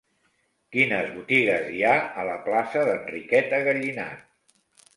Quines botigues hi ha a la plaça d'Enriqueta Gallinat?